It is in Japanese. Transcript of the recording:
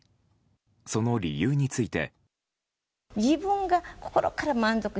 その理由について。